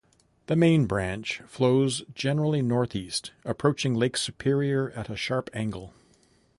The main branch flows generally northeast, approaching Lake Superior at a sharp angle.